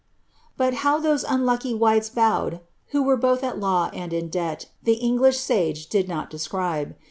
But how those u wigliis bowed who were both at law and in debt, the English sa not describe.'